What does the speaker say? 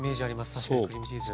確かにクリームチーズ。